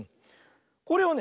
これをね